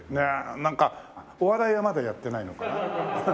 なんかお笑いはまだやってないのかな？